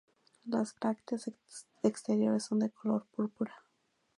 Las brácteas exteriores son de color púrpura.